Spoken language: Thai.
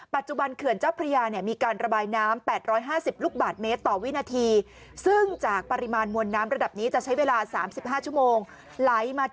ปัจจุบันขืนเจ้าพรียา